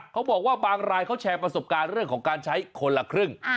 เขาบอกว่าบางรายเขาแชร์ประสบการณ์เรื่องของการใช้คนละครึ่ง